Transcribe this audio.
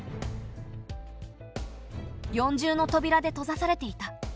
４重のとびらで閉ざされていた。